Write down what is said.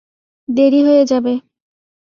দেরি হয়ে যাবে।